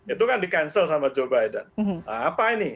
itu kan di cancel sama joe biden apa ini